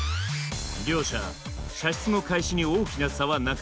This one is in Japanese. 両者射出の開始に大きな差はなかった。